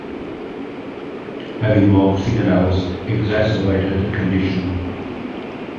Having long fingernails exacerbated the condition.